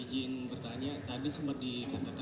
izin bertanya tadi sempat dikatakan